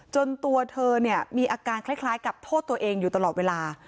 ตัวเธอเนี่ยมีอาการคล้ายกับโทษตัวเองอยู่ตลอดเวลา